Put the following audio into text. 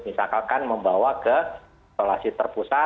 misalkan membawa ke isolasi terpusat